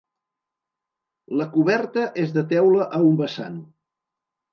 La coberta és de teula a un vessant.